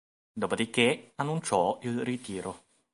Dopodiché annunciò il ritiro.